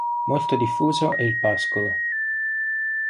Molto diffuso è il pascolo.